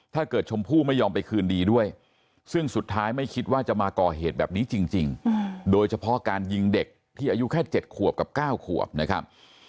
ชมพู่ไม่ยอมไปคืนดีด้วยซึ่งสุดท้ายไม่คิดว่าจะมาก่อเหตุแบบนี้จริงโดยเฉพาะการยิงเด็กที่อายุแค่๗ขวบกับ๙ขวบนะครับ